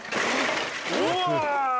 うわ！